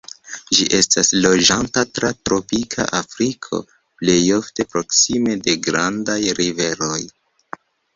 Ĝi estas loĝanta tra tropika Afriko, plej ofte proksime de grandaj riveroj.